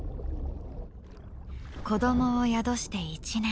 子どもを宿して１年。